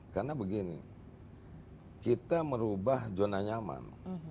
karena begini kita merubah zona nyaman